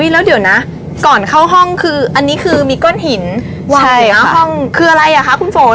แล้วเดี๋ยวนะก่อนเข้าห้องคืออันนี้คือมีก้อนหินวางอยู่หน้าห้องคืออะไรอ่ะคะคุณฝน